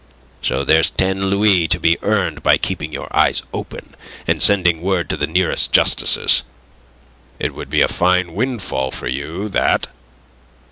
So there's ten louis to be earned by keeping your eyes open, and sending word to the nearest justices. It would be a fine windfall for you, that."